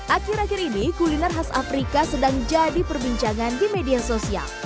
akhir akhir ini kuliner khas afrika sedang jadi perbincangan di media sosial